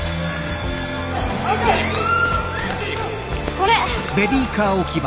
これ。